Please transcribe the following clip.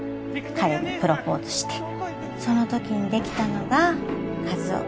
彼にプロポーズしてその時に出来たのが一男。